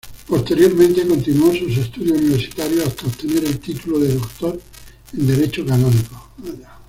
Posteriormente continuó sus estudios universitarios hasta obtener el título de Doctor en Derecho Canónico.